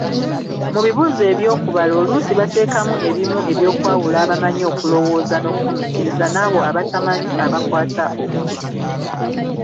Mu bibuuzo eby'okubala oluusi bateekamu ebimu eby'okwawula abamanyi okulowooza n'okufumiitiriza n'abo abatamanyi, abakwata obukusu.